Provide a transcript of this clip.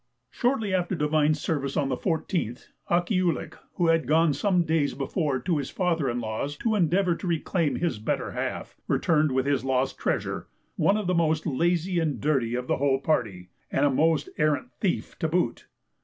Shortly after divine service on the 14th, Akkeeoulik, who had gone some days before to his father in law's to endeavour to reclaim his better half, returned with his lost treasure, one of the most lazy and dirty of the whole party, and a most arrant thief to boot.